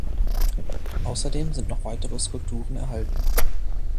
Außerdem sind noch weitere Skulpturen erhalten.